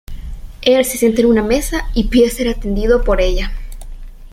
Él se sienta en una mesa y pide ser atendido por ella.